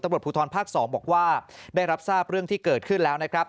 ตำรวจภูทรภาค๒บอกว่าได้รับทราบเรื่องที่เกิดขึ้นแล้วนะครับ